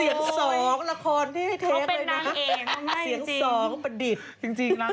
เสียงสองละครที่เขาเป็นนางเอง